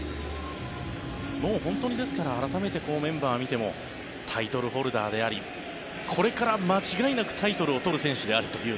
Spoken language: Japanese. もう本当に、ですから改めてメンバーを見てもタイトルホルダーでありこれから間違いなくタイトルを取る選手であるという